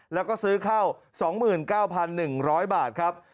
แล้วก็ซื้อเข้า๒๙๑๐๐บาทครับ